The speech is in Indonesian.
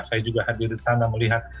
saya juga hadir di sana melihat